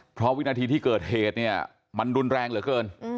เพราะวินาทีที่เกิดเหตุเนี่ยมันรุนแรงเหลือเกิน